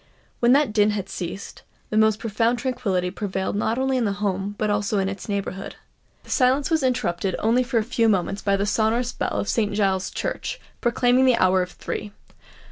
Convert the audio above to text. When that din had ceased, the most profound tranquillity prevailed not only in the home but also in its neighbourhood. That silence was interrupted only for a few moments by the sonorous bell of St. Giles's Church, proclaiming the hour of three.